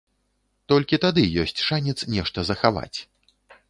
Толькі тады ёсць шанец нешта захаваць.